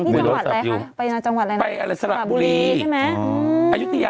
บนรถอยู่จังหวัดไหนคะไปจังหวัดไหนนะไปใช่ไหมอืมอายุเตีย